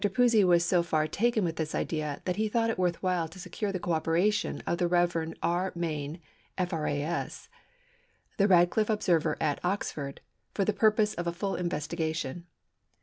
Pusey was so far taken with this idea that he thought it worth while to secure the co operation of the Rev. R. Main, F.R.A.S., the Radcliffe Observer at Oxford, for the purpose of a full investigation.